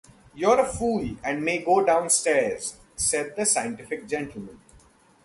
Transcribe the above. ‘You’re a fool, and may go downstairs,’ said the scientific gentleman.